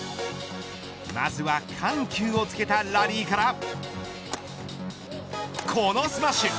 まずは緩急をつけたラリーからこのスマッシュ。